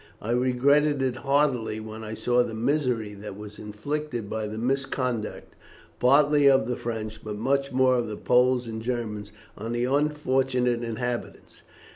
I regretted it heartily when I saw the misery that was inflicted by the misconduct, partly of the French, but much more of the Poles and Germans, on the unfortunate inhabitants.